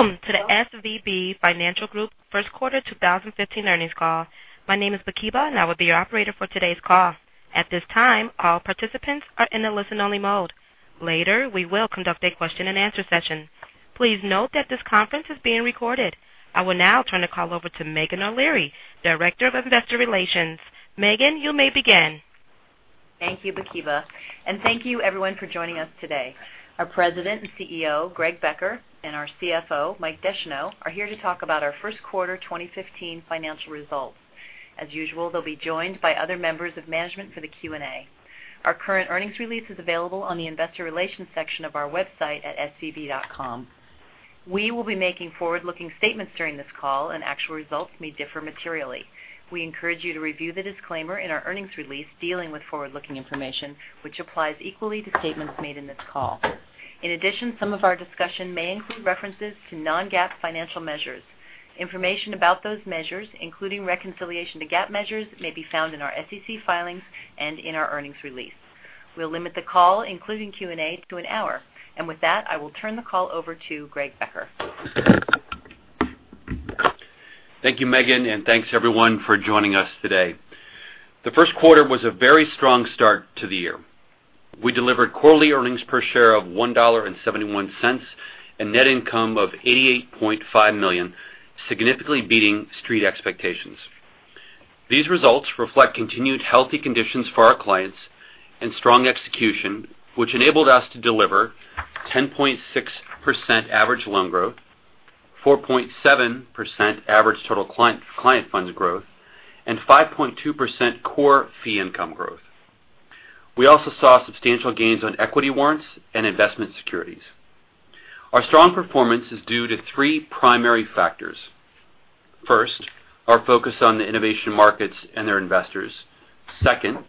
Welcome to the SVB Financial Group first quarter 2015 earnings call. My name is Bakeba, and I will be your operator for today's call. At this time, all participants are in a listen-only mode. Later, we will conduct a question and answer session. Please note that this conference is being recorded. I will now turn the call over to Meghan O'Leary, Director of Investor Relations. Meghan, you may begin. Thank you, Bakeba. Thank you everyone for joining us today. Our President and CEO, Greg Becker, and our CFO, Mike Descheneaux, are here to talk about our first quarter 2015 financial results. As usual, they'll be joined by other members of management for the Q&A. Our current earnings release is available on the investor relations section of our website at svb.com. We will be making forward-looking statements during this call, and actual results may differ materially. We encourage you to review the disclaimer in our earnings release dealing with forward-looking information, which applies equally to statements made in this call. In addition, some of our discussion may include references to non-GAAP financial measures. Information about those measures, including reconciliation to GAAP measures, may be found in our SEC filings and in our earnings release. We'll limit the call, including Q&A, to an hour. With that, I will turn the call over to Greg Becker. Thank you, Meghan. Thanks everyone for joining us today. The first quarter was a very strong start to the year. We delivered quarterly earnings per share of $1.71 and net income of $88.5 million, significantly beating Street expectations. These results reflect continued healthy conditions for our clients and strong execution, which enabled us to deliver 10.6% average loan growth, 4.7% average total client funds growth, and 5.2% core fee income growth. We also saw substantial gains on equity warrants and investment securities. Our strong performance is due to three primary factors. First, our focus on the innovation markets and their investors. Second,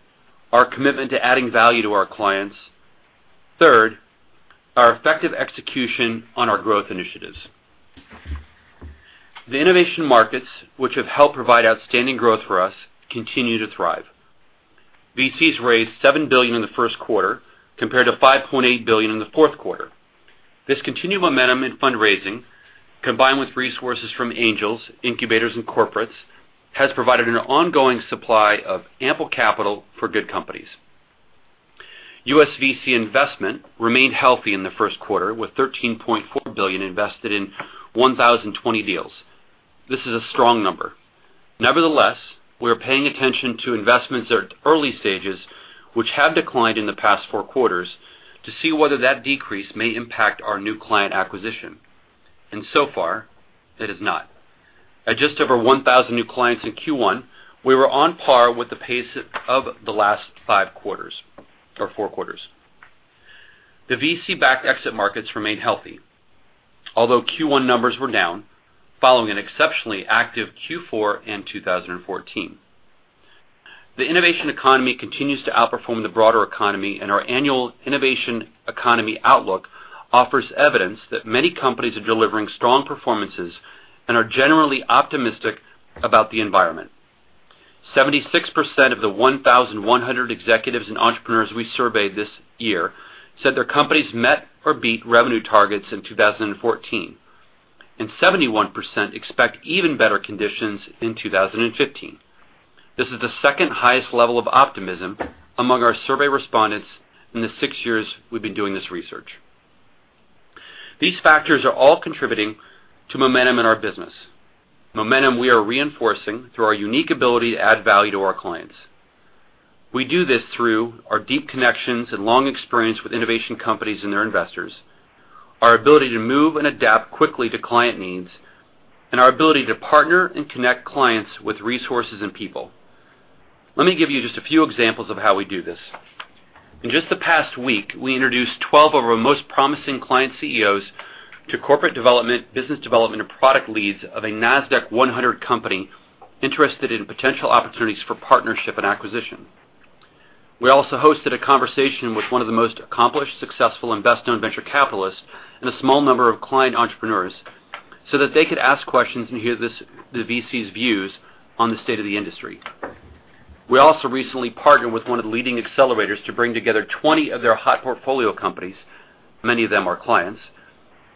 our commitment to adding value to our clients. Third, our effective execution on our growth initiatives. The innovation markets, which have helped provide outstanding growth for us, continue to thrive. VCs raised $7 billion in the first quarter, compared to $5.8 billion in the fourth quarter. This continued momentum in fundraising, combined with resources from angels, incubators, and corporates, has provided an ongoing supply of ample capital for good companies. U.S. VC investment remained healthy in the first quarter, with $13.4 billion invested in 1,020 deals. This is a strong number. Nevertheless, we are paying attention to investments at early stages which have declined in the past four quarters to see whether that decrease may impact our new client acquisition. So far, it has not. At just over 1,000 new clients in Q1, we were on par with the pace of the last four quarters. The VC-backed exit markets remained healthy. Although Q1 numbers were down following an exceptionally active Q4 in 2014. The innovation economy continues to outperform the broader economy. Our annual innovation economy outlook offers evidence that many companies are delivering strong performances and are generally optimistic about the environment. 76% of the 1,100 executives and entrepreneurs we surveyed this year said their companies met or beat revenue targets in 2014. 71% expect even better conditions in 2015. This is the second highest level of optimism among our survey respondents in the six years we've been doing this research. These factors are all contributing to momentum in our business, momentum we are reinforcing through our unique ability to add value to our clients. We do this through our deep connections and long experience with innovation companies and their investors, our ability to move and adapt quickly to client needs, and our ability to partner and connect clients with resources and people. Let me give you just a few examples of how we do this. In just the past week, we introduced 12 of our most promising client CEOs to corporate development, business development, and product leads of a NASDAQ 100 company interested in potential opportunities for partnership and acquisition. We also hosted a conversation with one of the most accomplished, successful, and best-known venture capitalists and a small number of client entrepreneurs so that they could ask questions and hear the VC's views on the state of the industry. We also recently partnered with one of the leading accelerators to bring together 20 of their hot portfolio companies, many of them are clients,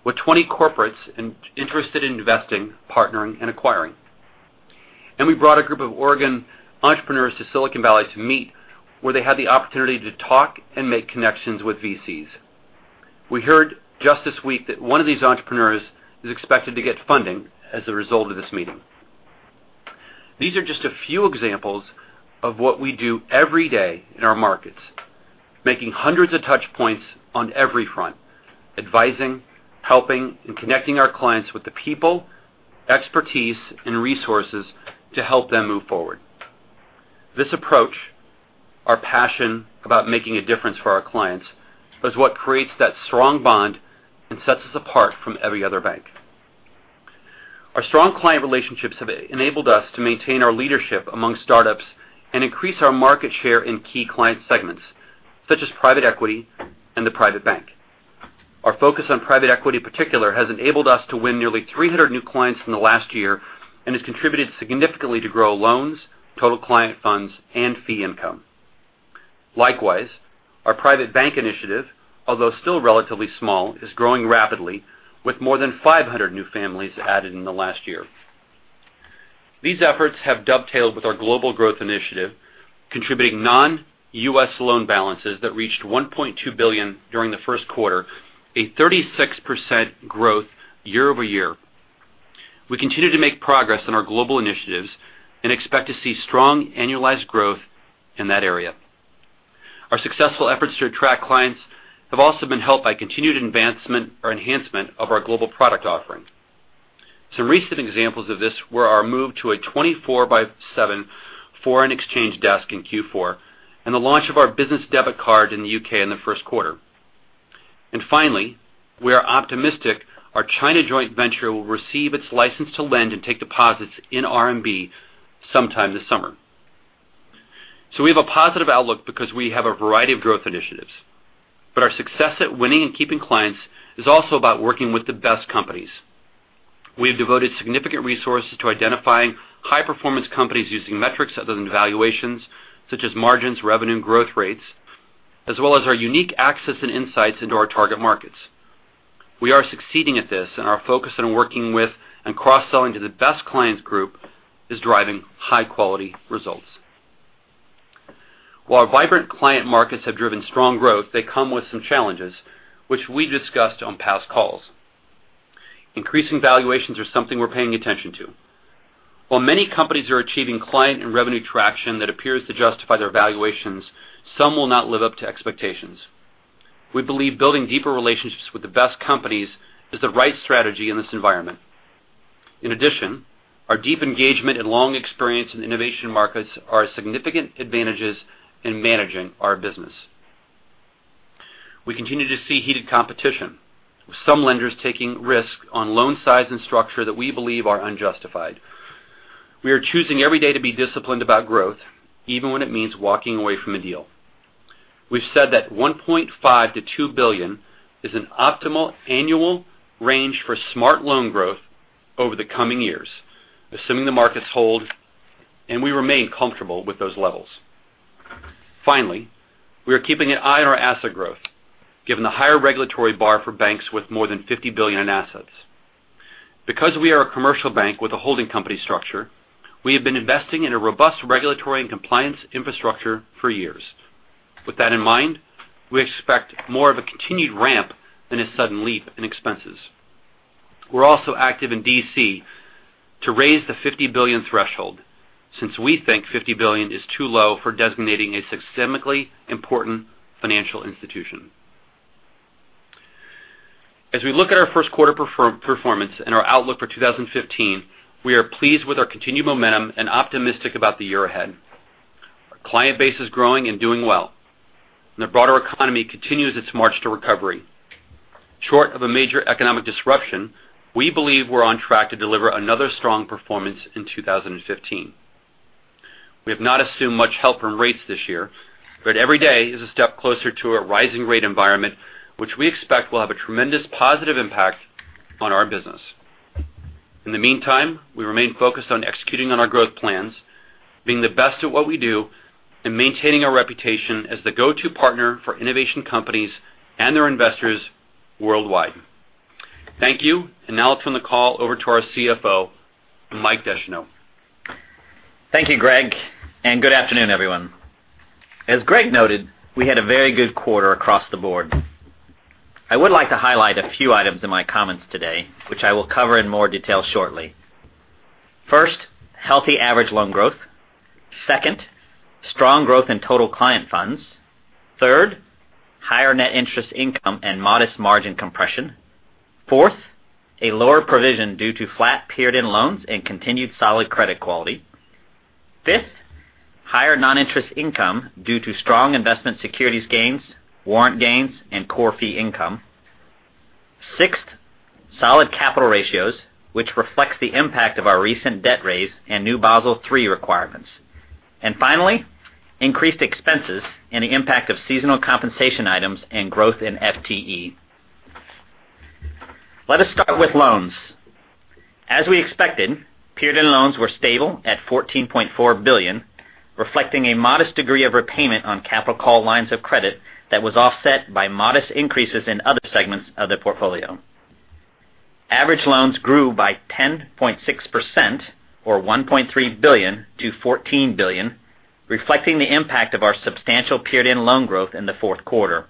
with 20 corporates interested in investing, partnering, and acquiring. We brought a group of Oregon entrepreneurs to Silicon Valley to meet where they had the opportunity to talk and make connections with VCs. We heard just this week that one of these entrepreneurs is expected to get funding as a result of this meeting. These are just a few examples of what we do every day in our markets, making hundreds of touchpoints on every front, advising, helping, and connecting our clients with the people, expertise, and resources to help them move forward. This approach, our passion about making a difference for our clients, is what creates that strong bond and sets us apart from every other bank. Our strong client relationships have enabled us to maintain our leadership among startups and increase our market share in key client segments, such as private equity and the private bank. Our focus on private equity in particular has enabled us to win nearly 300 new clients in the last year and has contributed significantly to grow loans, total client funds, and fee income. Likewise, our private bank initiative, although still relatively small, is growing rapidly with more than 500 new families added in the last year. These efforts have dovetailed with our global growth initiative, contributing non-U.S. loan balances that reached $1.2 billion during the first quarter, a 36% growth year-over-year. We continue to make progress on our global initiatives and expect to see strong annualized growth in that area. Our successful efforts to attract clients have also been helped by continued enhancement of our global product offering. Some recent examples of this were our move to a 24 by seven foreign exchange desk in Q4, and the launch of our business debit card in the U.K. in the first quarter. Finally, we are optimistic our China joint venture will receive its license to lend and take deposits in RMB sometime this summer. We have a positive outlook because we have a variety of growth initiatives. Our success at winning and keeping clients is also about working with the best companies. We have devoted significant resources to identifying high-performance companies using metrics other than valuations, such as margins, revenue growth rates, as well as our unique access and insights into our target markets. We are succeeding at this, and our focus on working with and cross-selling to the best clients group is driving high-quality results. While vibrant client markets have driven strong growth, they come with some challenges, which we discussed on past calls. Increasing valuations are something we're paying attention to. While many companies are achieving client and revenue traction that appears to justify their valuations, some will not live up to expectations. We believe building deeper relationships with the best companies is the right strategy in this environment. In addition, our deep engagement and long experience in innovation markets are significant advantages in managing our business. We continue to see heated competition, with some lenders taking risks on loan size and structure that we believe are unjustified. We are choosing every day to be disciplined about growth, even when it means walking away from a deal. We've said that $1.5 billion-$2 billion is an optimal annual range for smart loan growth over the coming years, assuming the markets hold, and we remain comfortable with those levels. Finally, we are keeping an eye on our asset growth, given the higher regulatory bar for banks with more than $50 billion in assets. Because we are a commercial bank with a holding company structure, we have been investing in a robust regulatory and compliance infrastructure for years. With that in mind, we expect more of a continued ramp than a sudden leap in expenses. We're also active in D.C. to raise the $50 billion threshold, since we think $50 billion is too low for designating a systemically important financial institution. As we look at our first quarter performance and our outlook for 2015, we are pleased with our continued momentum and optimistic about the year ahead. Our client base is growing and doing well, and the broader economy continues its march to recovery. Short of a major economic disruption, we believe we're on track to deliver another strong performance in 2015. We have not assumed much help from rates this year, but every day is a step closer to a rising rate environment, which we expect will have a tremendous positive impact on our business. In the meantime, we remain focused on executing on our growth plans, being the best at what we do, and maintaining our reputation as the go-to partner for innovation companies and their investors worldwide. Thank you. Now I'll turn the call over to our CFO, Mike Descheneaux. Thank you, Greg, and good afternoon, everyone. As Greg noted, we had a very good quarter across the board. I would like to highlight a few items in my comments today, which I will cover in more detail shortly. First, healthy average loan growth. Second, strong growth in total client funds. Third, higher net interest income and modest margin compression. Fourth, a lower provision due to flat period-end loans and continued solid credit quality. Fifth, higher non-interest income due to strong investment securities gains, warrant gains, and core fee income. Sixth, solid capital ratios, which reflects the impact of our recent debt raise and new Basel III requirements. Finally, increased expenses and the impact of seasonal compensation items and growth in FTE. Let us start with loans. As we expected, period-end loans were stable at $14.4 billion, reflecting a modest degree of repayment on capital call lines of credit that was offset by modest increases in other segments of the portfolio. Average loans grew by 10.6%, or $1.3 billion to $14 billion, reflecting the impact of our substantial period-end loan growth in the fourth quarter.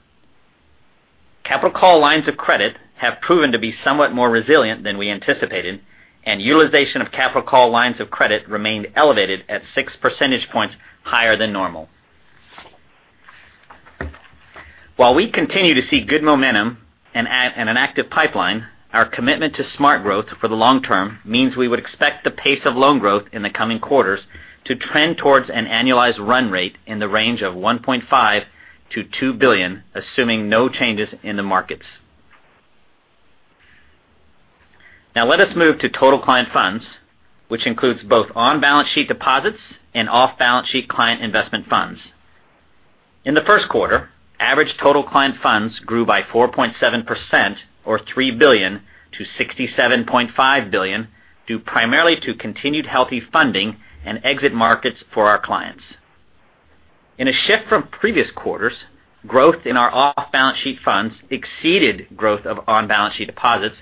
Capital call lines of credit have proven to be somewhat more resilient than we anticipated, and utilization of capital call lines of credit remained elevated at six percentage points higher than normal. While we continue to see good momentum and an active pipeline, our commitment to smart growth for the long term means we would expect the pace of loan growth in the coming quarters to trend towards an annualized run rate in the range of $1.5 billion-$2 billion, assuming no changes in the markets. Now let us move to total client funds, which includes both on-balance sheet deposits and off-balance sheet client investment funds. In the first quarter, average total client funds grew by 4.7%, or $3 billion, to $67.5 billion, due primarily to continued healthy funding and exit markets for our clients. In a shift from previous quarters, growth in our off-balance sheet funds exceeded growth of on-balance sheet deposits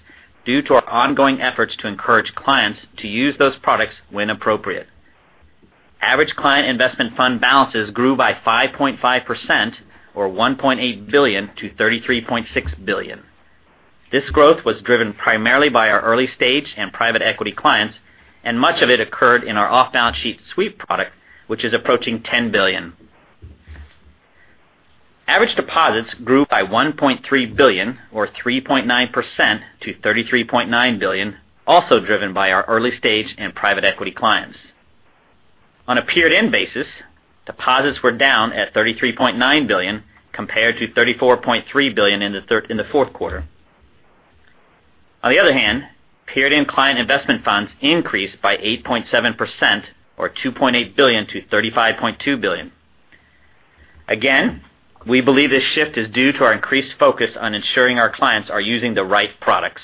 due to our ongoing efforts to encourage clients to use those products when appropriate. Average client investment fund balances grew by 5.5%, or $1.8 billion, to $33.6 billion. This growth was driven primarily by our early stage and private equity clients, and much of it occurred in our off-balance sheet sweep product, which is approaching $10 billion. Average deposits grew by $1.3 billion, or 3.9%, to $33.9 billion, also driven by our early stage and private equity clients. On a period end basis, deposits were down at $33.9 billion compared to $34.3 billion in the fourth quarter. On the other hand, period end client investment funds increased by 8.7%, or $2.8 billion, to $35.2 billion. Again, we believe this shift is due to our increased focus on ensuring our clients are using the right products.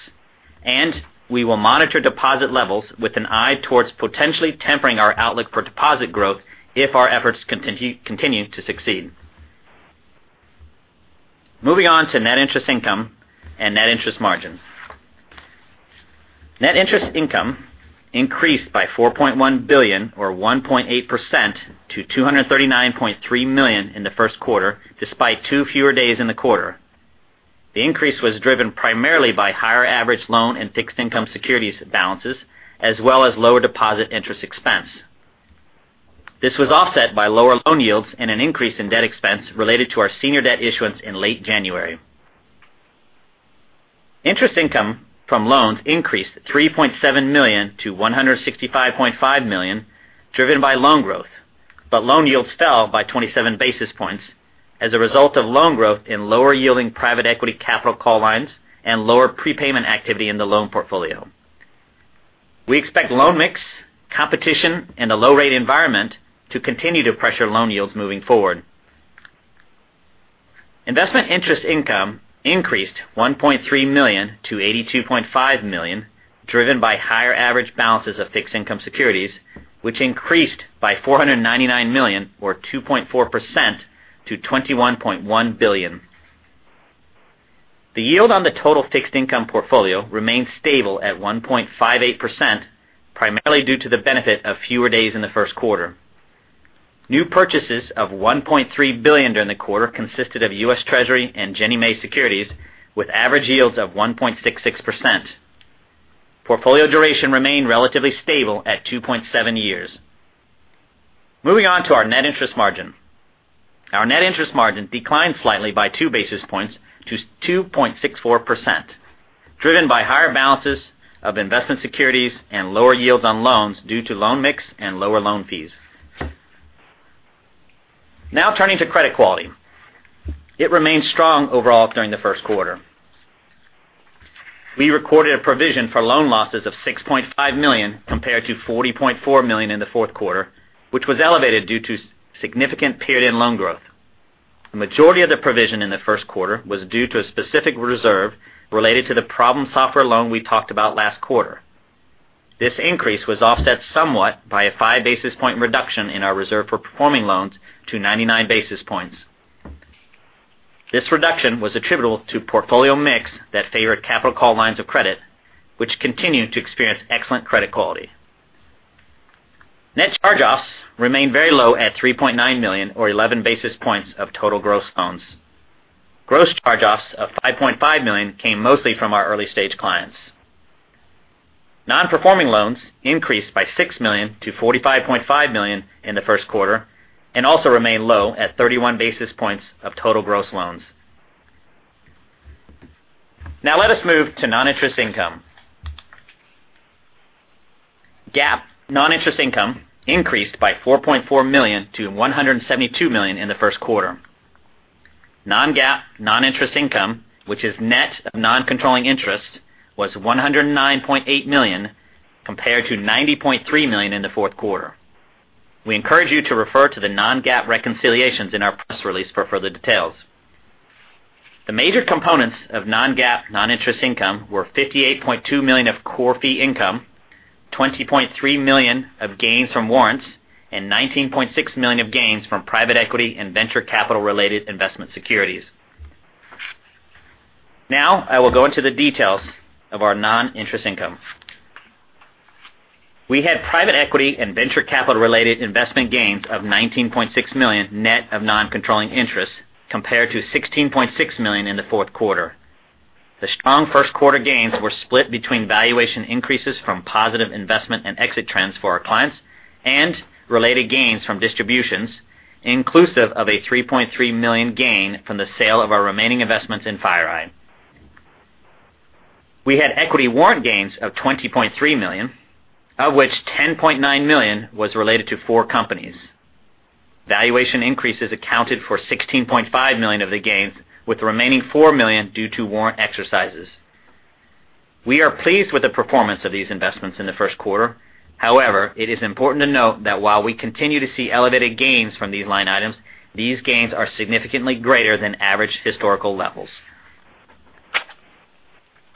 We will monitor deposit levels with an eye towards potentially tempering our outlook for deposit growth if our efforts continue to succeed. Moving on to net interest income and net interest margins. Net interest income increased by $4.1 million, or 1.8%, to $239.3 million in the first quarter, despite two fewer days in the quarter. The increase was driven primarily by higher average loan and fixed income securities balances, as well as lower deposit interest expense. This was offset by lower loan yields and an increase in debt expense related to our senior debt issuance in late January. Interest income from loans increased $3.7 million to $165.5 million, driven by loan growth. Loan yields fell by 27 basis points as a result of loan growth in lower yielding private equity capital call lines and lower prepayment activity in the loan portfolio. We expect loan mix, competition, and a low rate environment to continue to pressure loan yields moving forward. Investment interest income increased $1.3 million to $82.5 million, driven by higher average balances of fixed income securities, which increased by $499 million, or 2.4%, to $21.1 billion. The yield on the total fixed income portfolio remained stable at 1.58%, primarily due to the benefit of fewer days in the first quarter. New purchases of $1.3 billion during the quarter consisted of U.S. Treasury and Ginnie Mae securities with average yields of 1.66%. Portfolio duration remained relatively stable at 2.7 years. Moving on to our net interest margin. Our net interest margin declined slightly by two basis points to 2.64%, driven by higher balances of investment securities and lower yields on loans due to loan mix and lower loan fees. Now turning to credit quality. It remained strong overall during the first quarter. We recorded a provision for loan losses of $6.5 million compared to $40.4 million in the fourth quarter, which was elevated due to significant period-end loan growth. The majority of the provision in the first quarter was due to a specific reserve related to the problem software loan we talked about last quarter. This increase was offset somewhat by a five basis point reduction in our reserve for performing loans to 99 basis points. This reduction was attributable to portfolio mix that favored capital call lines of credit, which continued to experience excellent credit quality. Net charge-offs remained very low at $3.9 million, or 11 basis points of total gross loans. Gross charge-offs of $5.5 million came mostly from our early stage clients. Non-performing loans increased by $6 million to $45.5 million in the first quarter and also remained low at 31 basis points of total gross loans. Now let us move to non-interest income. GAAP non-interest income increased by $4.4 million to $172 million in the first quarter. Non-GAAP non-interest income, which is net of non-controlling interest, was $109.8 million, compared to $90.3 million in the fourth quarter. We encourage you to refer to the non-GAAP reconciliations in our press release for further details. The major components of non-GAAP non-interest income were $58.2 million of core fee income, $20.3 million of gains from warrants, and $19.6 million of gains from private equity and venture capital related investment securities. I will go into the details of our non-interest income. We had private equity and venture capital related investment gains of $19.6 million net of non-controlling interest compared to $16.6 million in the fourth quarter. The strong first quarter gains were split between valuation increases from positive investment and exit trends for our clients and related gains from distributions, inclusive of a $3.3 million gain from the sale of our remaining investments in FireEye. We had equity warrant gains of $20.3 million, of which $10.9 million was related to four companies. Valuation increases accounted for $16.5 million of the gains, with the remaining $4 million due to warrant exercises. We are pleased with the performance of these investments in the first quarter. However, it is important to note that while we continue to see elevated gains from these line items, these gains are significantly greater than average historical levels.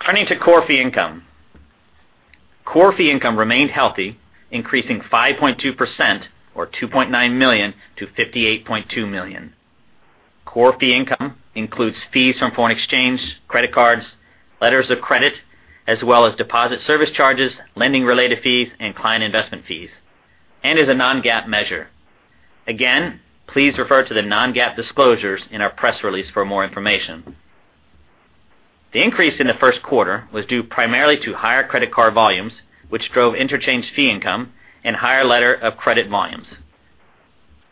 Turning to core fee income. Core fee income remained healthy, increasing 5.2%, or $2.9 million to $58.2 million. Core fee income includes fees from foreign exchange, credit cards, letters of credit, as well as deposit service charges, lending-related fees, and client investment fees, and is a non-GAAP measure. Please refer to the non-GAAP disclosures in our press release for more information. The increase in the first quarter was due primarily to higher credit card volumes, which drove interchange fee income and higher letter of credit volumes.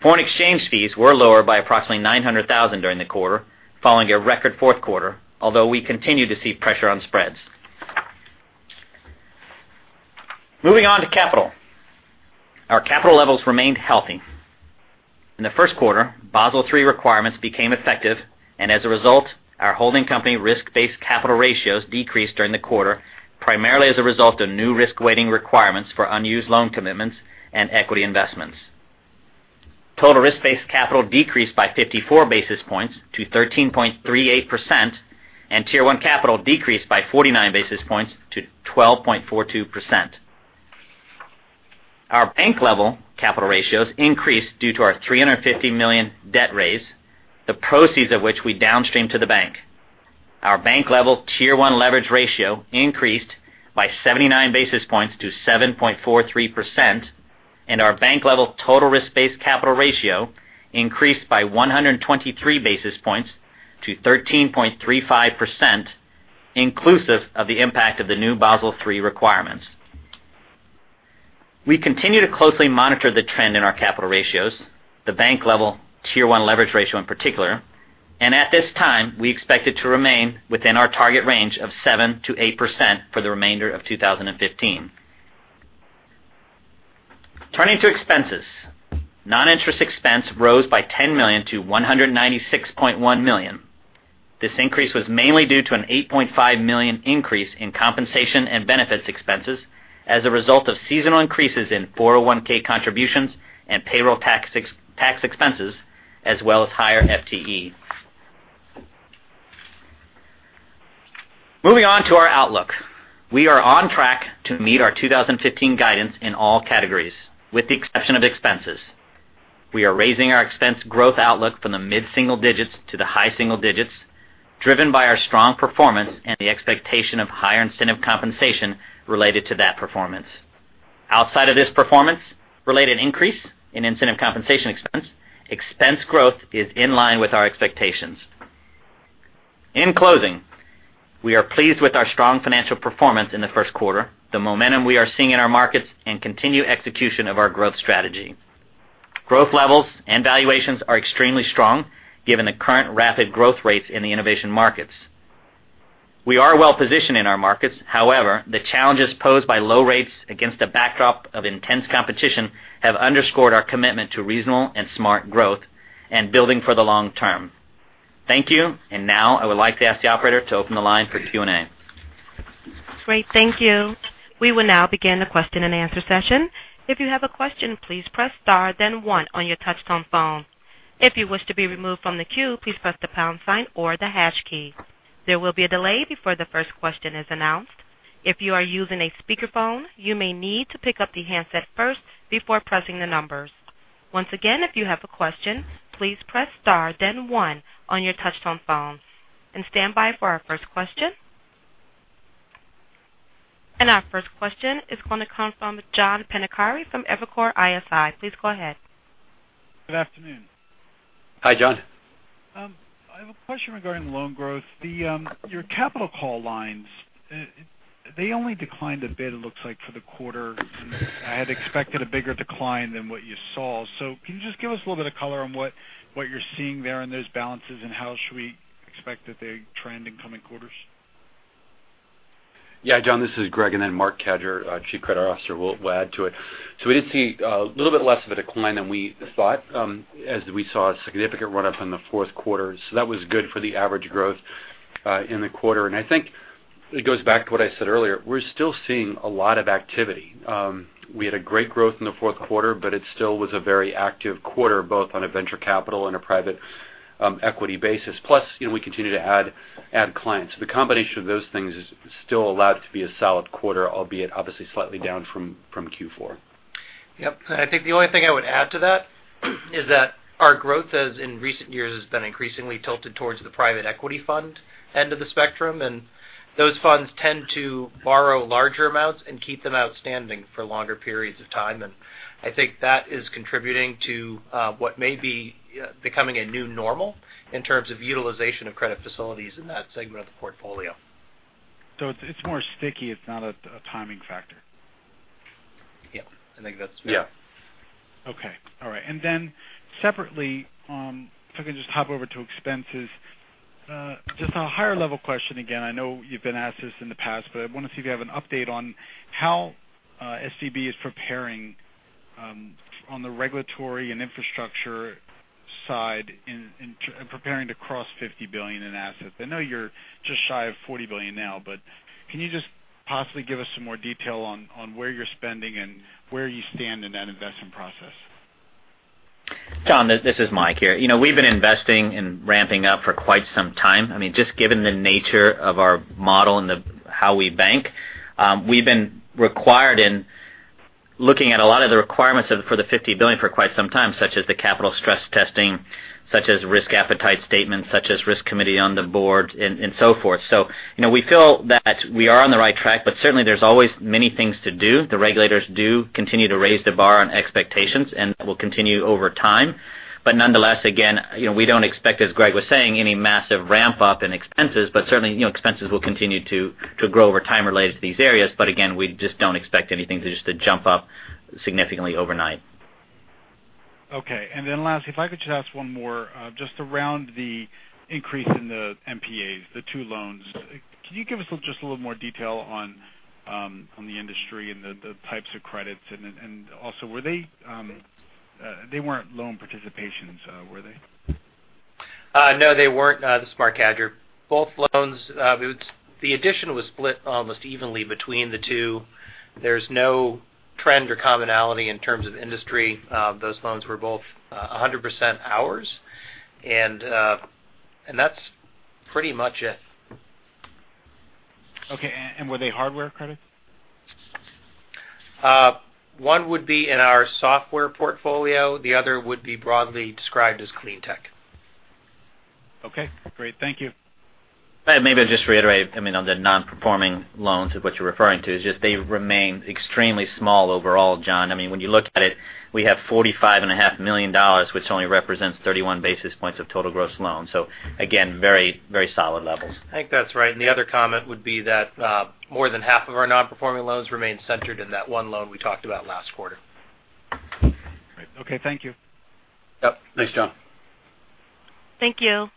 Foreign exchange fees were lower by approximately $900,000 during the quarter, following a record fourth quarter, although we continue to see pressure on spreads. Moving on to capital. Our capital levels remained healthy. In the first quarter, Basel III requirements became effective, and as a result, our holding company risk-based capital ratios decreased during the quarter, primarily as a result of new risk-weighting requirements for unused loan commitments and equity investments. Total risk-based capital decreased by 54 basis points to 13.38%, and Tier 1 capital decreased by 49 basis points to 12.42%. Our bank-level capital ratios increased due to our $350 million debt raise, the proceeds of which we downstreamed to the bank. Our bank level Tier 1 leverage ratio increased by 79 basis points to 7.43%, and our bank level total risk-based capital ratio increased by 123 basis points to 13.35%, inclusive of the impact of the new Basel III requirements. We continue to closely monitor the trend in our capital ratios, the bank level Tier 1 leverage ratio in particular, and at this time, we expect it to remain within our target range of 7%-8% for the remainder of 2015. Turning to expenses. Non-interest expense rose by $10 million to $196.1 million. This increase was mainly due to an $8.5 million increase in compensation and benefits expenses as a result of seasonal increases in 401 contributions and payroll tax expenses, as well as higher FTE. Moving on to our outlook. We are on track to meet our 2015 guidance in all categories, with the exception of expenses. We are raising our expense growth outlook from the mid-single digits to the high single digits, driven by our strong performance and the expectation of higher incentive compensation related to that performance. Outside of this performance related increase in incentive compensation expense growth is in line with our expectations. In closing, we are pleased with our strong financial performance in the first quarter, the momentum we are seeing in our markets, and continued execution of our growth strategy. Growth levels and valuations are extremely strong given the current rapid growth rates in the innovation markets. We are well-positioned in our markets. However, the challenges posed by low rates against a backdrop of intense competition have underscored our commitment to reasonable and smart growth and building for the long term. Thank you. Now I would like to ask the operator to open the line for Q&A. Great, thank you. We will now begin the question and answer session. If you have a question, please press star then one on your touchtone phone. If you wish to be removed from the queue, please press the pound sign or the hash key. There will be a delay before the first question is announced. If you are using a speakerphone, you may need to pick up the handset first before pressing the numbers. Once again, if you have a question, please press star then one on your touchtone phone and stand by for our first question. Our first question is going to come from John Pancari from Evercore ISI. Please go ahead. Good afternoon. Hi, John. I have a question regarding loan growth. Your capital call lines, they only declined a bit, it looks like, for the quarter, and I had expected a bigger decline than what you saw. Can you just give us a little bit of color on what you're seeing there in those balances, and how should we expect that they trend in coming quarters? Yeah, John, this is Greg, and then Marc Cadieux, our chief credit officer, will add to it. We did see a little bit less of a decline than we thought, as we saw a significant run-up in the fourth quarter. That was good for the average growth in the quarter. I think it goes back to what I said earlier. We're still seeing a lot of activity. We had a great growth in the fourth quarter, but it still was a very active quarter, both on a venture capital and a private equity basis. Plus, we continue to add clients. The combination of those things has still allowed it to be a solid quarter, albeit obviously slightly down from Q4. Yep. I think the only thing I would add to that is that our growth as in recent years has been increasingly tilted towards the private equity fund end of the spectrum. Those funds tend to borrow larger amounts and keep them outstanding for longer periods of time. I think that is contributing to what may be becoming a new normal in terms of utilization of credit facilities in that segment of the portfolio. It's more sticky. It's not a timing factor. Yep. I think that's fair. Yeah. Okay. All right. Separately, if I can just hop over to expenses. Just a higher level question again. I know you've been asked this in the past, but I want to see if you have an update on how SVB is preparing on the regulatory and infrastructure side in preparing to cross $50 billion in assets. I know you're just shy of $40 billion now, but can you just possibly give us some more detail on where you're spending and where you stand in that investment process? John, this is Mike here. We've been investing and ramping up for quite some time. Just given the nature of our model and how we bank, we've been required in looking at a lot of the requirements for the $50 billion for quite some time, such as the capital stress testing, such as risk appetite statements, such as risk committee on the board, and so forth. We feel that we are on the right track, but certainly there's always many things to do. The regulators do continue to raise the bar on expectations, and that will continue over time. Nonetheless, again, we don't expect, as Greg was saying, any massive ramp-up in expenses. Certainly, expenses will continue to grow over time related to these areas. Again, we just don't expect anything to just jump up significantly overnight. Okay. Lastly, if I could just ask one more, just around the increase in the NPAs, the two loans. Can you give us just a little more detail on the industry and the types of credits, also, they weren't loan participations, were they? No, they weren't. This is Marc Cadieux. Both loans, the addition was split almost evenly between the two. There's no trend or commonality in terms of industry. Those loans were both 100% ours. That's pretty much it. Okay, were they hardware credit? One would be in our software portfolio. The other would be broadly described as clean tech. Okay, great. Thank you. Maybe I'll just reiterate on the non-performing loans of what you're referring to, is just they remain extremely small overall, John. When you look at it, we have $45.5 million, which only represents 31 basis points of total gross loans. Again, very solid levels. I think that's right. The other comment would be that more than half of our non-performing loans remain centered in that one loan we talked about last quarter. Great. Okay. Thank you. Yep. Thanks, John. Thank you.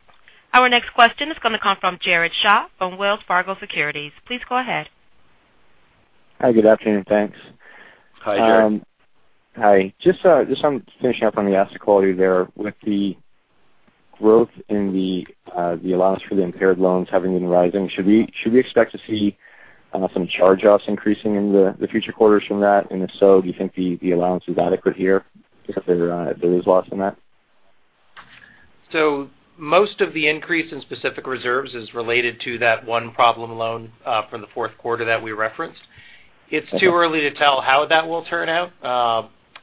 Our next question is going to come from Jared Shaw from Wells Fargo Securities. Please go ahead. Hi, good afternoon. Thanks. Hi, Jared. Hi. Just finishing up on the asset quality there. With the growth in the allowance for the impaired loans having been rising, should we expect to see some charge-offs increasing in the future quarters from that? If so, do you think the allowance is adequate here just if there is loss in that? Most of the increase in specific reserves is related to that one problem loan from the fourth quarter that we referenced. It is too early to tell how that will turn out.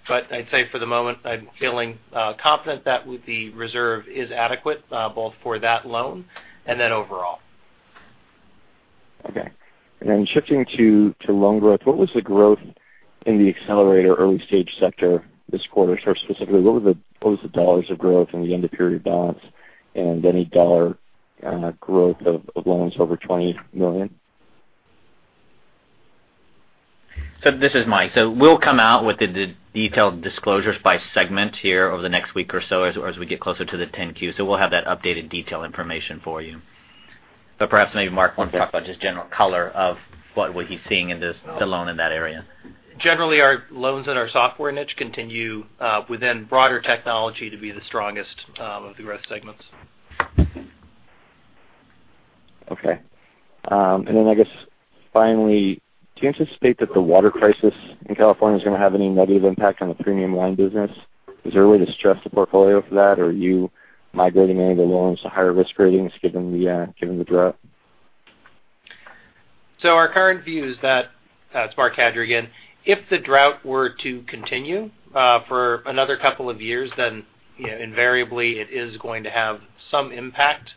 I'd say for the moment, I'm feeling confident that the reserve is adequate both for that loan and then overall. Okay. Then shifting to loan growth, what was the growth in the accelerator early stage sector this quarter? Specifically, what was the dollars of growth in the end of period balance and any dollar growth of loans over $20 million? This is Mike. We'll come out with the detailed disclosures by segment here over the next week or so as we get closer to the 10-Q. We'll have that updated detail information for you. Perhaps maybe Marc wants to talk about just general color of what he's seeing in the loan in that area. Generally, our loans in our software niche continue within broader technology to be the strongest of the rest segments. Okay. I guess, finally, do you anticipate that the water crisis in California is going to have any negative impact on the premium wine business? Is there a way to stress the portfolio for that? Are you migrating any of the loans to higher risk ratings given the drought? Our current view is that it's Marc Cadieux again. If the drought were to continue for another couple of years, invariably it is going to have some impact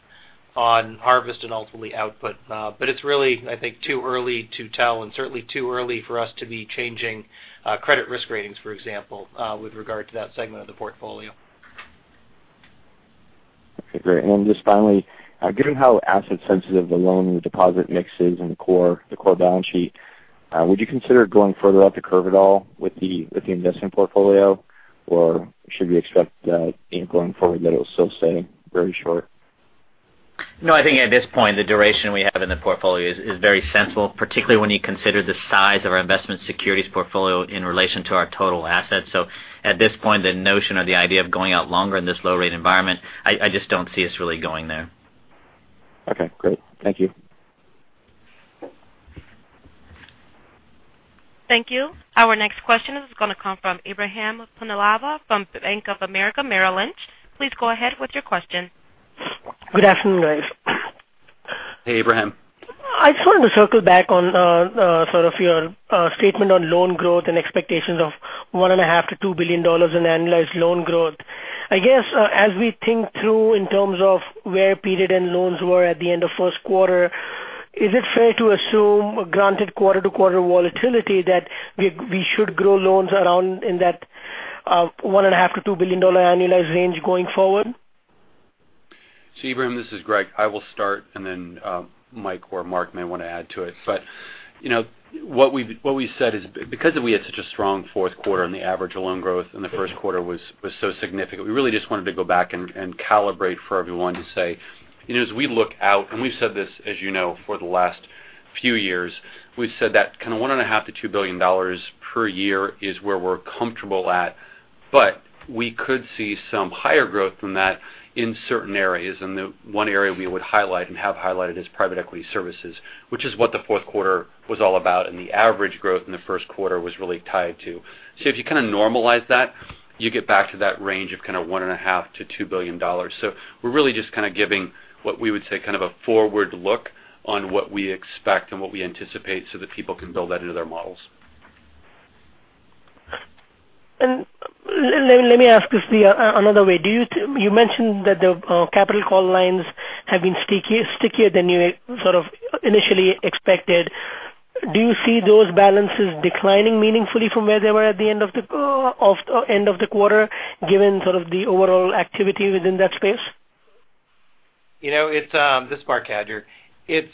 on harvest and ultimately output. It's really, I think, too early to tell and certainly too early for us to be changing credit risk ratings, for example, with regard to that segment of the portfolio. Okay, great. Just finally, given how asset sensitive the loan deposit mix is in the core balance sheet, would you consider going further up the curve at all with the investment portfolio? Or should we expect, going forward, that it'll still stay very short? No, I think at this point, the duration we have in the portfolio is very sensible, particularly when you consider the size of our investment securities portfolio in relation to our total assets. At this point, the notion or the idea of going out longer in this low rate environment, I just don't see us really going there. Okay, great. Thank you. Thank you. Our next question is going to come from Ebrahim Poonawala from Bank of America Merrill Lynch. Please go ahead with your question. Good afternoon, guys. Hey, Ebrahim. I just wanted to circle back on sort of your statement on loan growth and expectations of $1.5 billion-$2 billion in annualized loan growth. I guess, as we think through in terms of where period-end loans were at the end of first quarter, is it fair to assume, granted quarter-to-quarter volatility, that we should grow loans around in that $1.5 billion-$2 billion annualized range going forward? Ebrahim, this is Greg. I will start, and then Mike or Marc may want to add to it. What we've said is because we had such a strong fourth quarter on the average loan growth and the first quarter was so significant, we really just wanted to go back and calibrate for everyone to say, as we look out, and we've said this as you know for the last Few years. We've said that kind of $1.5 billion-$2 billion per year is where we're comfortable at, we could see some higher growth than that in certain areas. The one area we would highlight and have highlighted is private equity services, which is what the fourth quarter was all about, and the average growth in the first quarter was really tied to. If you kind of normalize that, you get back to that range of kind of $1.5 billion-$2 billion. We're really just kind of giving what we would say kind of a forward look on what we expect and what we anticipate so that people can build that into their models. Let me ask this another way. You mentioned that the capital call lines have been stickier than you sort of initially expected. Do you see those balances declining meaningfully from where they were at the end of the quarter, given sort of the overall activity within that space? This is Marc Cadieux. It's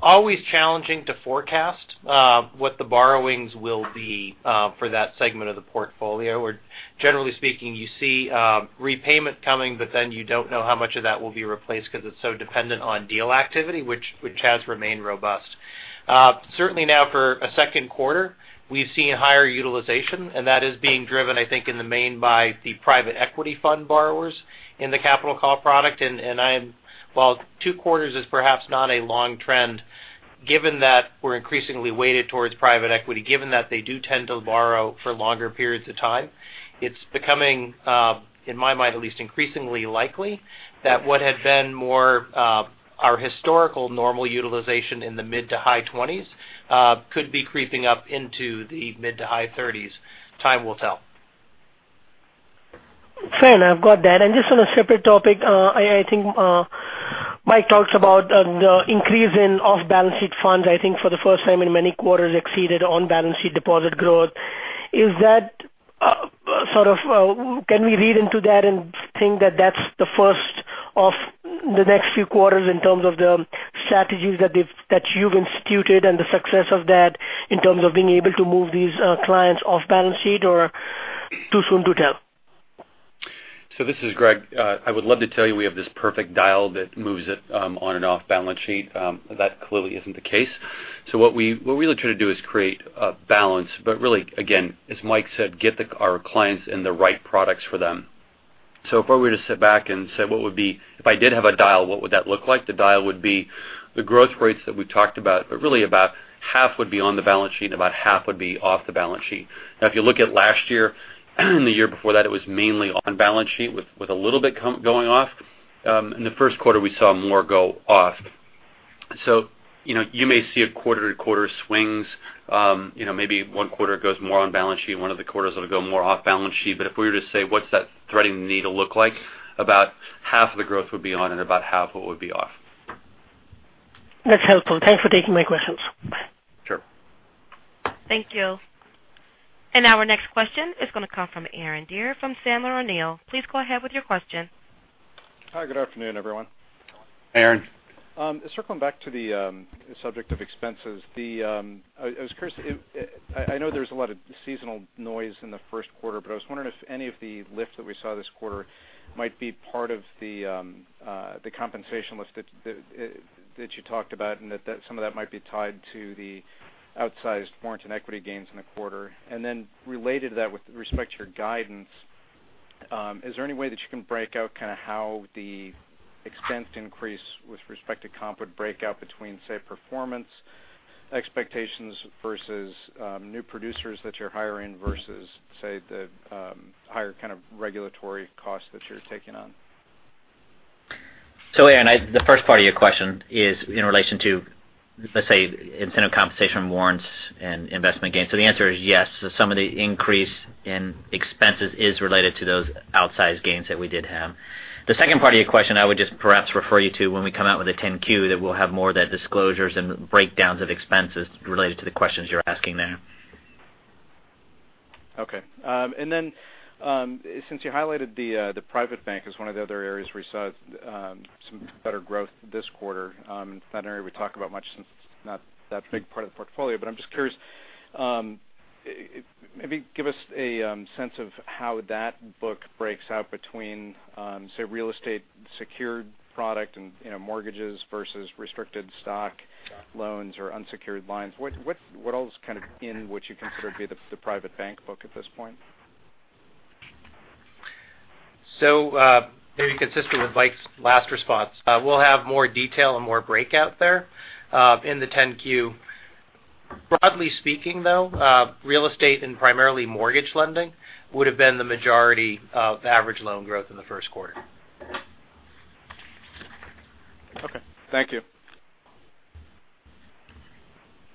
always challenging to forecast what the borrowings will be for that segment of the portfolio, where generally speaking, you see repayment coming, you don't know how much of that will be replaced because it's so dependent on deal activity, which has remained robust. Certainly now for a second quarter, we've seen higher utilization, that is being driven, I think, in the main by the private equity fund borrowers in the capital call product. While two quarters is perhaps not a long trend, given that we're increasingly weighted towards private equity, given that they do tend to borrow for longer periods of time, it's becoming, in my mind at least, increasingly likely that what had been more our historical normal utilization in the mid to high 20s could be creeping up into the mid to high 30s. Time will tell. Fair enough. Got that. Just on a separate topic, I think Mike talks about the increase in off-balance sheet funds, I think for the first time in many quarters exceeded on-balance sheet deposit growth. Can we read into that and think that that's the first of the next few quarters in terms of the strategies that you've instituted and the success of that in terms of being able to move these clients off balance sheet or too soon to tell? This is Greg. I would love to tell you we have this perfect dial that moves it on and off balance sheet. That clearly isn't the case. What we really try to do is create a balance, really, again, as Mike said, get our clients in the right products for them. If I were to sit back and say, if I did have a dial, what would that look like? The dial would be the growth rates that we talked about, really about half would be on the balance sheet, and about half would be off the balance sheet. If you look at last year and the year before that, it was mainly on balance sheet with a little bit going off. In the first quarter, we saw more go off. You may see quarter-to-quarter swings. Maybe one quarter goes more on balance sheet, one of the quarters it'll go more off balance sheet. If we were to say, what's that threading needle look like? About half of the growth would be on and about half would be off. That's helpful. Thanks for taking my questions. Bye. Sure. Thank you. Now our next question is going to come from Aaron Dorr from Sandler O'Neill. Please go ahead with your question. Hi. Good afternoon, everyone. Aaron. Circling back to the subject of expenses, I know there's a lot of seasonal noise in the first quarter, but I was wondering if any of the lift that we saw this quarter might be part of the compensation lift that you talked about, and that some of that might be tied to the outsized warrant and equity gains in the quarter. Then related to that with respect to your guidance, is there any way that you can break out kind of how the expense increase with respect to comp would break out between, say, performance expectations versus new producers that you're hiring versus, say, the higher kind of regulatory costs that you're taking on? Aaron Dorr, the first part of your question is in relation to, let's say, incentive compensation warrants and investment gains. The answer is yes. Some of the increase in expenses is related to those outsized gains that we did have. The second part of your question, I would just perhaps refer you to when we come out with a 10-Q that we'll have more of the disclosures and breakdowns of expenses related to the questions you're asking there. Okay. Since you highlighted the private bank as one of the other areas where we saw some better growth this quarter, it's not an area we talk about much since it's not that big part of the portfolio. I'm just curious, maybe give us a sense of how that book breaks out between, say, real estate secured product and mortgages versus restricted stock loans or unsecured lines. What all is kind of in what you consider to be the private bank book at this point? Very consistent with Mike's last response. We'll have more detail and more breakout there in the 10-Q. Broadly speaking, though, real estate and primarily mortgage lending would have been the majority of the average loan growth in the first quarter. Okay. Thank you.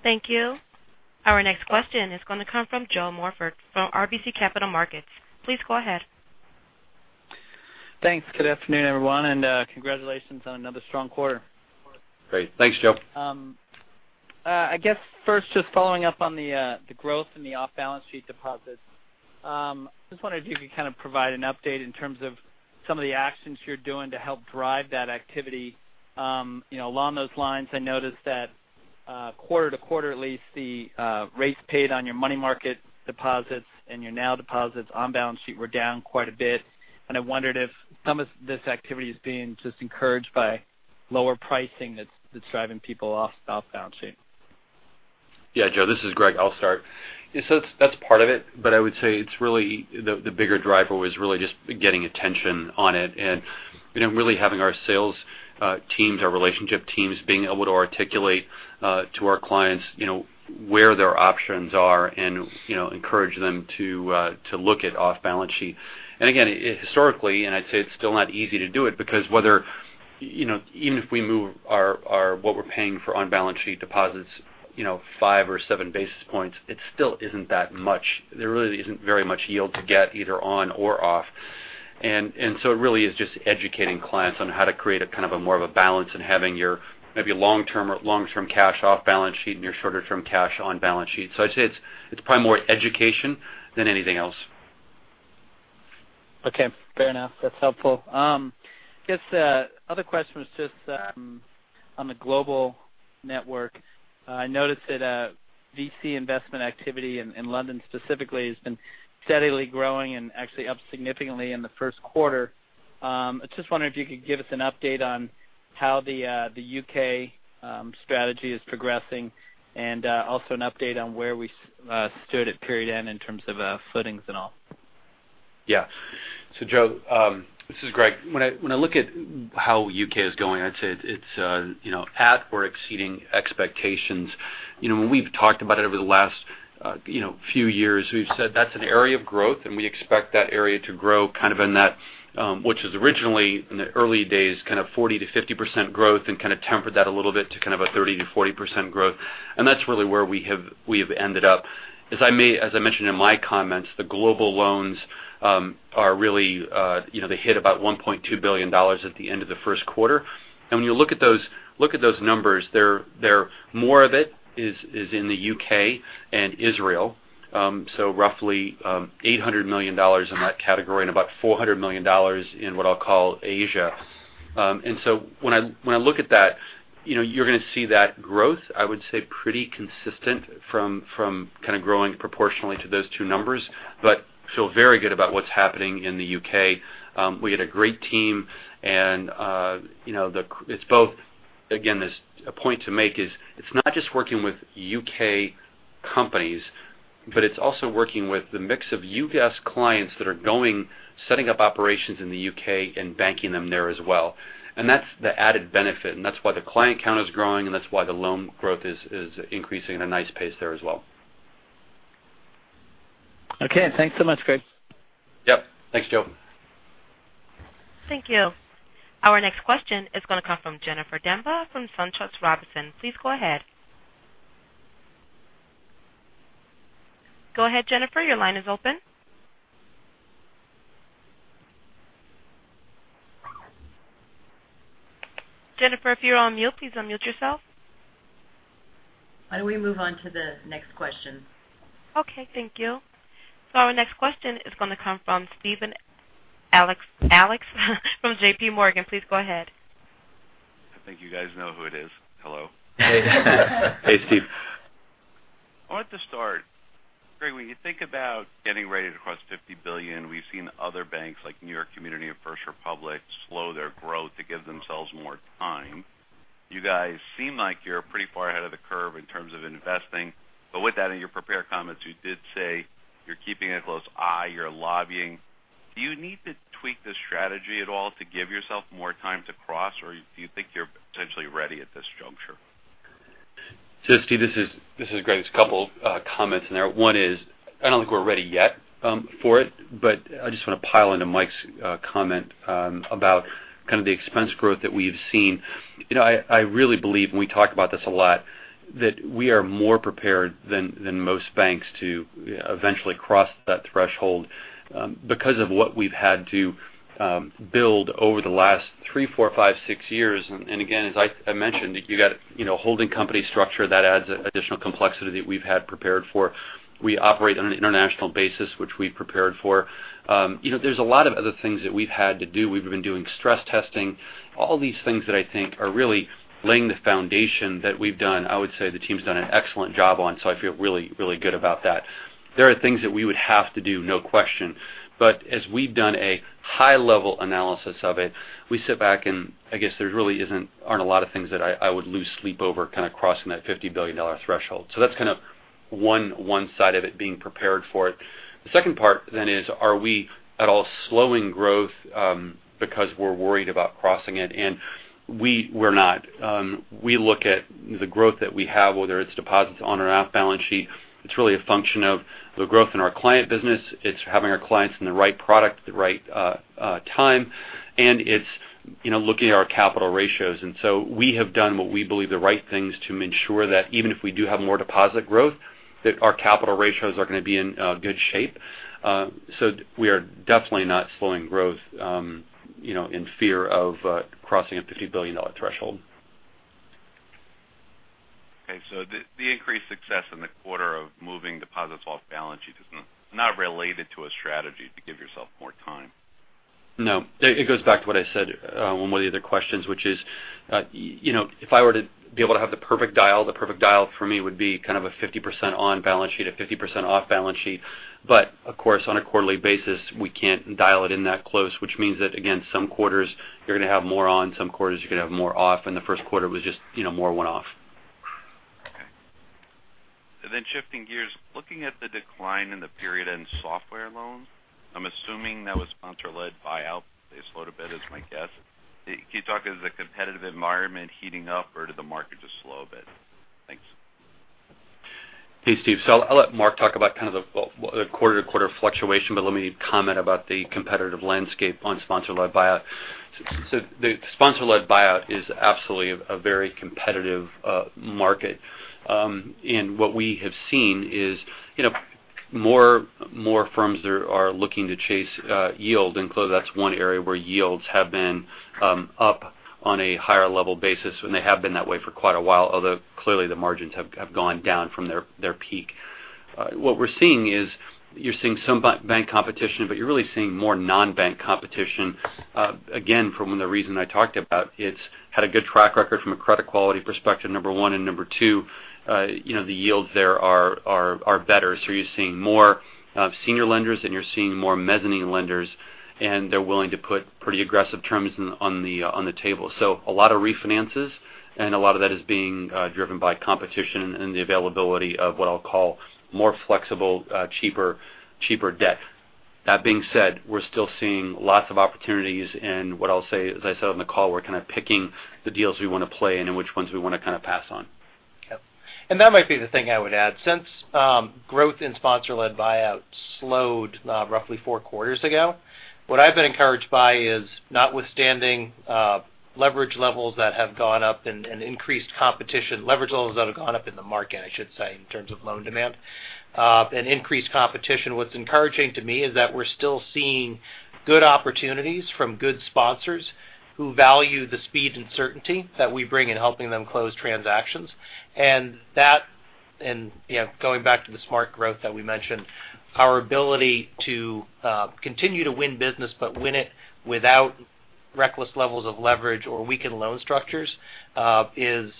Thank you. Our next question is going to come from Joe Morford from RBC Capital Markets. Please go ahead. Thanks. Good afternoon, everyone, and congratulations on another strong quarter. Great. Thanks, Joe. I guess first, just following up on the growth in the off-balance sheet deposits. Just wondered if you could kind of provide an update in terms of some of the actions you're doing to help drive that activity. Along those lines, I noticed that quarter-to-quarter, at least the rates paid on your money market deposits and your now deposits on balance sheet were down quite a bit. I wondered if some of this activity is being just encouraged by lower pricing that's driving people off balance sheet. Joe, this is Greg. I'll start. That's part of it, but I would say the bigger driver was really just getting attention on it and really having our sales teams, our relationship teams, being able to articulate to our clients where their options are and encourage them to look at off-balance sheet. Again, historically, and I'd say it's still not easy to do it because even if we move what we're paying for on-balance sheet deposits five or seven basis points, it still isn't that much. There really isn't very much yield to get either on or off. It really is just educating clients on how to create a kind of more of a balance in having your maybe long-term cash off balance sheet and your shorter term cash on balance sheet. I'd say it's probably more education than anything else. Okay. Fair enough. That's helpful. I guess the other question was just on the global network. I noticed that VC investment activity in London specifically has been steadily growing and actually up significantly in the first quarter. I just wonder if you could give us an update on how the U.K. strategy is progressing and also an update on where we stood at period end in terms of footings and all. Joe, this is Greg. When I look at how U.K. is going, I'd say it's at or exceeding expectations. When we've talked about it over the last few years, we've said that's an area of growth. We expect that area to grow kind of in that, which is originally in the early days, kind of 40%-50% growth and kind of tempered that a little bit to kind of a 30%-40% growth. That's really where we have ended up. As I mentioned in my comments, the global loans hit about $1.2 billion at the end of the first quarter. When you look at those numbers, more of it is in the U.K. and Israel. Roughly $800 million in that category and about $400 million in what I'll call Asia. When I look at that, you're going to see that growth, I would say, pretty consistent from kind of growing proportionally to those two numbers. Feel very good about what's happening in the U.K. We had a great team. It's both, again, a point to make is it's not just working with U.K. companies, but it's also working with the mix of U.S. clients that are going, setting up operations in the U.K. and banking them there as well. That's the added benefit, and that's why the client count is growing, and that's why the loan growth is increasing at a nice pace there as well. Okay. Thanks so much, Greg. Yep. Thanks, Joe. Thank you. Our next question is going to come from Jennifer Demba from SunTrust Robinson. Please go ahead. Go ahead, Jennifer. Your line is open. Jennifer, if you're on mute, please unmute yourself. Why don't we move on to the next question? Okay, thank you. Our next question is going to come from Steven Alexopoulos from J.P. Morgan. Please go ahead. I think you guys know who it is. Hello. Hey, Steve. I wanted to start, Greg, when you think about getting rated across $50 billion, we've seen other banks like New York Community and First Republic slow their growth to give themselves more time. You guys seem like you're pretty far ahead of the curve in terms of investing. With that, in your prepared comments, you did say you're keeping a close eye, you're lobbying. Do you need to tweak the strategy at all to give yourself more time to cross, or do you think you're potentially ready at this juncture? Steve, this is Greg. There's a couple comments in there. One is, I don't think we're ready yet for it, but I just want to pile into Mike's comment about kind of the expense growth that we've seen. I really believe, and we talk about this a lot, that we are more prepared than most banks to eventually cross that threshold because of what we've had to build over the last three, four, five, six years. Again, as I mentioned, you got holding company structure that adds additional complexity that we've had prepared for. We operate on an international basis, which we've prepared for. There's a lot of other things that we've had to do. We've been doing stress testing. All these things that I think are really laying the foundation that we've done, I would say the team's done an excellent job on, I feel really, really good about that. There are things that we would have to do, no question. As we've done a high level analysis of it, we sit back and I guess there really aren't a lot of things that I would lose sleep over kind of crossing that $50 billion threshold. That's kind of one side of it being prepared for. The second part is, are we at all slowing growth because we're worried about crossing it? We're not. We look at the growth that we have, whether it's deposits on or off balance sheet. It's really a function of the growth in our client business. It's having our clients in the right product at the right time, and it's looking at our capital ratios. We have done what we believe the right things to ensure that even if we do have more deposit growth, that our capital ratios are going to be in good shape. We are definitely not slowing growth in fear of crossing a $50 billion threshold. The increased success in the quarter of moving deposits off balance sheet is not related to a strategy to give yourself more time? No. It goes back to what I said on one of the other questions, which is if I were to be able to have the perfect dial, the perfect dial for me would be kind of a 50% on balance sheet, a 50% off balance sheet. Of course, on a quarterly basis, we can't dial it in that close, which means that, again, some quarters you're going to have more on, some quarters you're going to have more off, and the first quarter was just more went off. Shifting gears, looking at the decline in the period-end software loans, I'm assuming that was sponsor-led buyout. They slowed a bit is my guess. Can you talk, is the competitive environment heating up or did the market just slow a bit? Thanks. Hey, Steve. I'll let Marc talk about the quarter to quarter fluctuation, let me comment about the competitive landscape on sponsor-led buyout. The sponsor-led buyout is absolutely a very competitive market. What we have seen is more firms are looking to chase yield. Clearly that's one area where yields have been up on a higher level basis when they have been that way for quite a while. Although clearly the margins have gone down from their peak. What we're seeing is you're seeing some bank competition, you're really seeing more non-bank competition. Again, from the reason I talked about, it's had a good track record from a credit quality perspective, number 1. Number 2, the yields there are better. You're seeing more senior lenders, and you're seeing more mezzanine lenders, and they're willing to put pretty aggressive terms on the table. A lot of refinances and a lot of that is being driven by competition and the availability of what I'll call more flexible cheaper debt. That being said, we're still seeing lots of opportunities and what I'll say, as I said on the call, we're kind of picking the deals we want to play and then which ones we want to kind of pass on. Yep. That might be the thing I would add. Since growth in sponsor-led buyout slowed roughly 4 quarters ago, what I've been encouraged by is notwithstanding leverage levels that have gone up and increased competition. Leverage levels that have gone up in the market, I should say, in terms of loan demand, and increased competition. What's encouraging to me is that we're still seeing good opportunities from good sponsors who value the speed and certainty that we bring in helping them close transactions. Going back to the smart growth that we mentioned, our ability to continue to win business but win it without reckless levels of leverage or weakened loan structures is,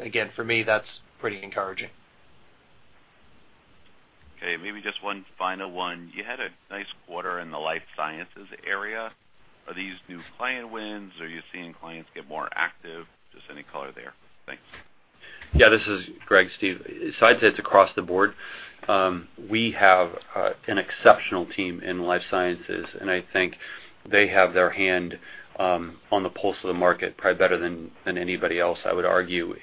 again, for me, that's pretty encouraging. Okay. Maybe just one final one. You had a nice quarter in the life sciences area. Are these new client wins? Are you seeing clients get more active? Just any color there. Thanks. Yeah, this is Greg, Steve. I'd say it's across the board. We have an exceptional team in life sciences, and I think they have their hand on the pulse of the market probably better than anybody else, I would argue.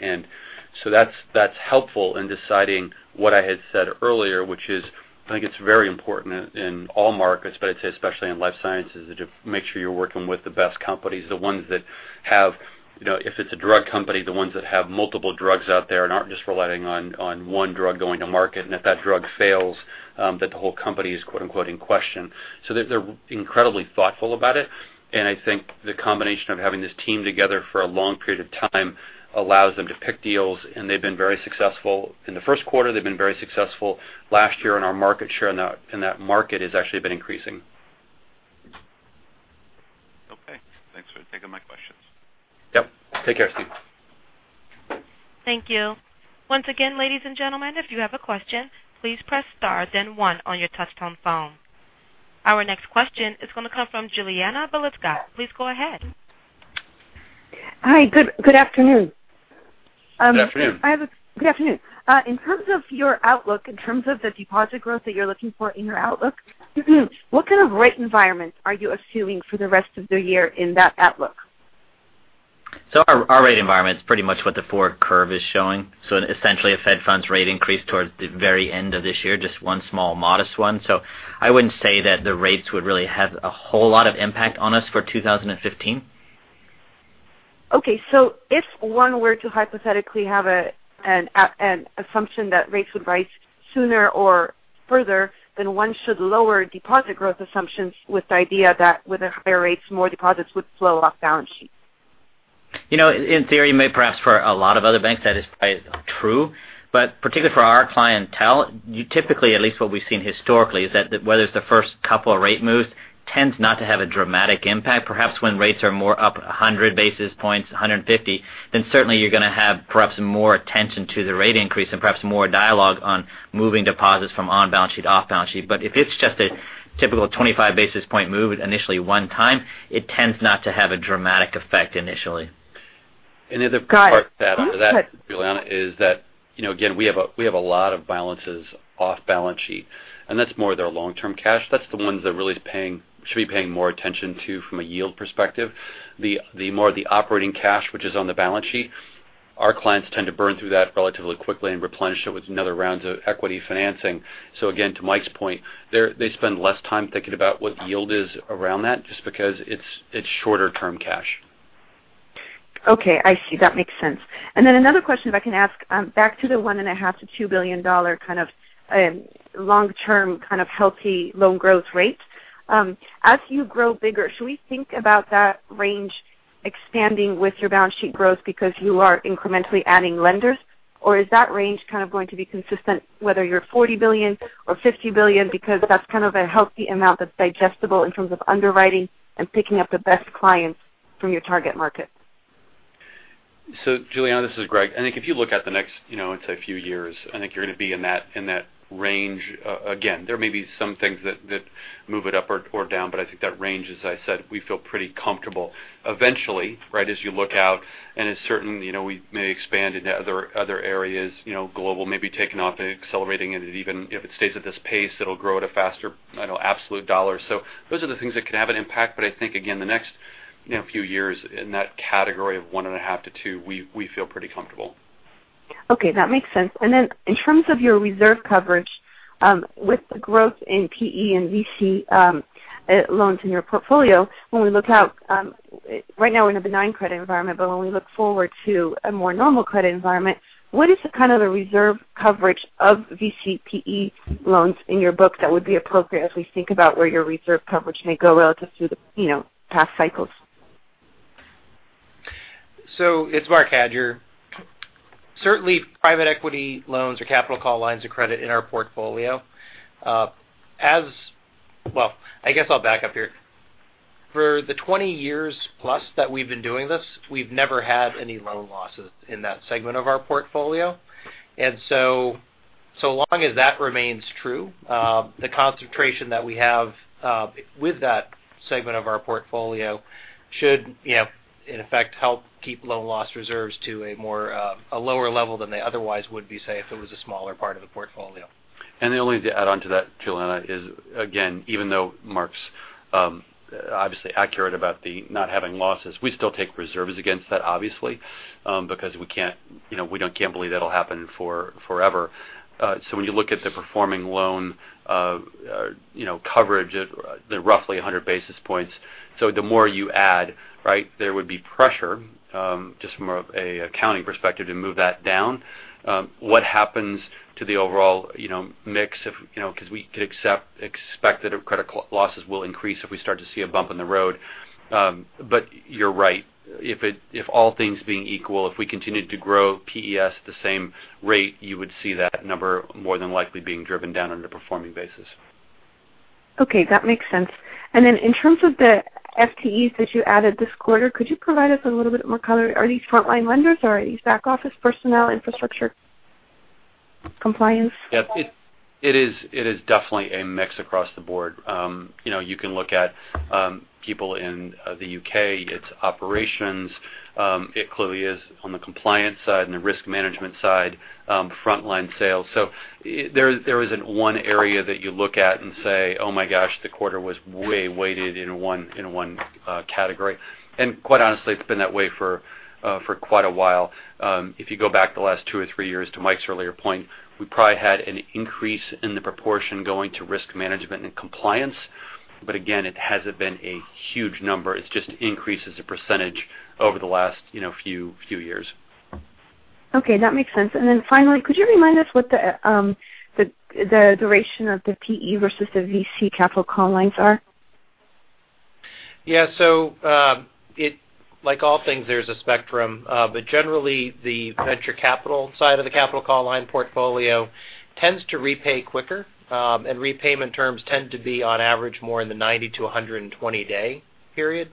That's helpful in deciding what I had said earlier, which is I think it's very important in all markets, but I'd say especially in life sciences, to make sure you're working with the best companies, the ones that have, if it's a drug company, the ones that have multiple drugs out there and aren't just relying on one drug going to market. If that drug fails, that the whole company is quote unquote "in question." They're incredibly thoughtful about it, and I think the combination of having this team together for a long period of time allows them to pick deals, and they've been very successful. In the first quarter, they've been very successful. Last year in our market share in that market has actually been increasing. Okay. Thanks for taking my questions. Yep. Take care, Steve. Thank you. Once again, ladies and gentlemen, if you have a question, please press star, then one on your touch-tone phone. Our next question is going to come from Juliana Belizcar. Please go ahead. Hi. Good afternoon. Good afternoon. Good afternoon. In terms of your outlook, in terms of the deposit growth that you're looking for in your outlook, what kind of rate environment are you assuming for the rest of the year in that outlook? Our rate environment is pretty much what the forward curve is showing. Essentially, a Fed funds rate increase towards the very end of this year, just one small modest one. I wouldn't say that the rates would really have a whole lot of impact on us for 2015. Okay. If one were to hypothetically have an assumption that rates would rise sooner or further, one should lower deposit growth assumptions with the idea that with higher rates, more deposits would flow off balance sheet. In theory, perhaps for a lot of other banks, that is probably true. Particularly for our clientele, you typically, at least what we've seen historically, is that whether it's the first 2 rate moves tends not to have a dramatic impact. Perhaps when rates are more up 100 basis points, 150 basis points, certainly you're going to have perhaps more attention to the rate increase and perhaps more dialogue on moving deposits from on balance sheet, off balance sheet. If it's just a typical 25 basis point move initially one time, it tends not to have a dramatic effect initially. Got it. The other part to add onto that, Juliana, is that again, we have a lot of balances off balance sheet, and that's more their long-term cash. That's the ones they really should be paying more attention to from a yield perspective. The more the operating cash, which is on the balance sheet, our clients tend to burn through that relatively quickly and replenish it with another round of equity financing. Again, to Mike's point, they spend less time thinking about what the yield is around that just because it's shorter-term cash. Okay, I see. That makes sense. Another question if I can ask. Back to the $1.5 billion to $2 billion kind of long-term kind of healthy loan growth rate. As you grow bigger, should we think about that range expanding with your balance sheet growth because you are incrementally adding lenders? Or is that range kind of going to be consistent whether you're $40 billion or $50 billion because that's kind of a healthy amount that's digestible in terms of underwriting and picking up the best clients from your target market? Juliana, this is Greg. I think if you look at the next, say, few years, I think you're going to be in that range. There may be some things that move it up or down, but I think that range, as I said, we feel pretty comfortable. Eventually, as you look out, it's certain, we may expand into other areas, global may be taking off and accelerating, and even if it stays at this pace, it'll grow at a faster absolute dollar. Those are the things that can have an impact. I think, again, the next few years in that category of 1.5 to 2, we feel pretty comfortable. That makes sense. In terms of your reserve coverage, with the growth in PE and VC loans in your portfolio, when we look out, right now we're in a benign credit environment, but when we look forward to a more normal credit environment, what is the kind of the reserve coverage of VC/PE loans in your book that would be appropriate as we think about where your reserve coverage may go relative to the past cycles? It's Marc Cadieux. Certainly, private equity loans or unit commitment facilities are capital call lines of credit in our portfolio. I guess I'll back up here. For the 20-years-plus that we've been doing this, we've never had any loan losses in that segment of our portfolio. So long as that remains true, the concentration that we have with that segment of our portfolio should, in effect, help keep loan loss reserves to a lower level than they otherwise would be, say, if it was a smaller part of the portfolio. The only to add onto that, Juliana, is, again, even though Marc's obviously accurate about the not having losses, we still take reserves against that, obviously, because we can't believe that'll happen forever. When you look at the performing loan coverage, they're roughly 100 basis points. The more you add, there would be pressure, just from more of a accounting perspective to move that down. What happens to the overall mix because we could expect that our credit losses will increase if we start to see a bump in the road. You're right. If all things being equal, if we continued to grow PES at the same rate, you would see that number more than likely being driven down under a performing basis. Okay. That makes sense. In terms of the FTEs that you added this quarter, could you provide us a little bit more color? Are these frontline lenders or are these back-office personnel, infrastructure, compliance? Yeah. It is definitely a mix across the board. You can look at people in the U.K. It's operations. It clearly is on the compliance side and the risk management side, frontline sales. There isn't one area that you look at and say, "Oh my gosh, the quarter was way weighted in one category." Quite honestly, it's been that way for quite a while. If you go back the last two or three years to Mike's earlier point, we probably had an increase in the proportion going to risk management and compliance. Again, it hasn't been a huge number. It's just increased as a % over the last few years. Okay. That makes sense. Finally, could you remind us what the duration of the PE versus the VC capital call lines are? Yeah. Like all things, there's a spectrum. Generally, the venture capital side of the capital call line portfolio tends to repay quicker, and repayment terms tend to be on average more in the 90-120-day period.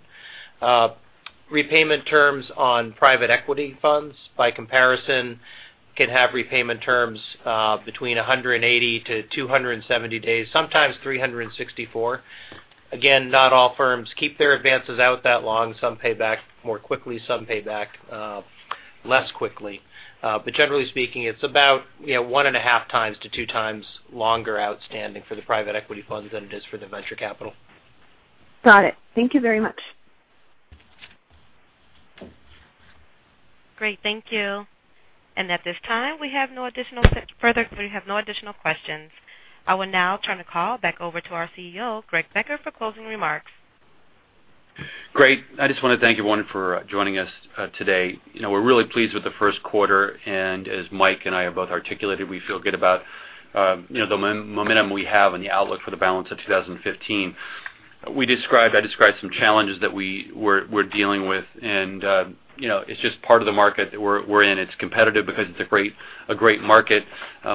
Repayment terms on private equity funds, by comparison, can have repayment terms between 180-270 days, sometimes 364. Again, not all firms keep their advances out that long. Some pay back more quickly, some pay back less quickly. Generally speaking, it's about one and a half times to two times longer outstanding for the private equity funds than it is for the venture capital. Got it. Thank you very much. Great. Thank you. At this time, we have no additional questions. I will now turn the call back over to our CEO, Greg Becker, for closing remarks. Great. I just want to thank everyone for joining us today. We're really pleased with the first quarter, as Mike and I have both articulated, we feel good about the momentum we have and the outlook for the balance of 2015. I described some challenges that we're dealing with, it's just part of the market that we're in. It's competitive because it's a great market.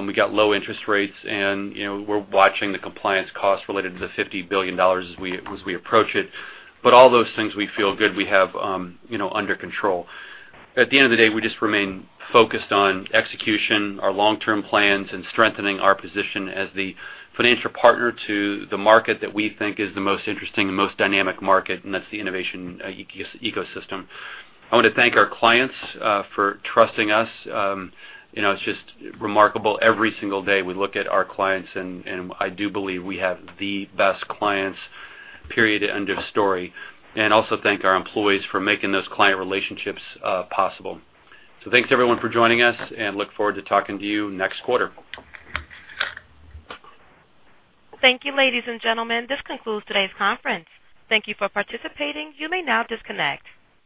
We got low interest rates, we're watching the compliance costs related to the $50 billion as we approach it. All those things we feel good we have under control. At the end of the day, we just remain focused on execution, our long-term plans, and strengthening our position as the financial partner to the market that we think is the most interesting and most dynamic market, that's the innovation ecosystem. I want to thank our clients for trusting us. It's just remarkable. Every single day we look at our clients, I do believe we have the best clients, period, end of story. Also thank our employees for making those client relationships possible. Thanks everyone for joining us, look forward to talking to you next quarter. Thank you, ladies and gentlemen. This concludes today's conference. Thank you for participating. You may now disconnect.